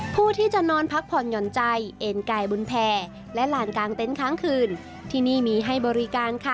ผู้ที่จะนอนพักผ่อนหย่อนใจเอ็นไก่บุญแพร่และลานกลางเต็นต์ค้างคืนที่นี่มีให้บริการค่ะ